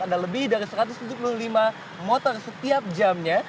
ada lebih dari satu ratus tujuh puluh lima motor setiap jamnya